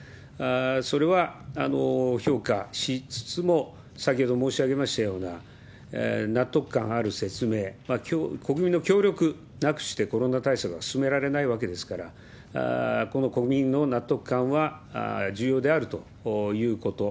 それは評価しつつも、先ほど申し上げましたような、納得感ある説明、国民の協力なくしてコロナ対策は進められないわけですから、この国民の納得感は重要であるということ。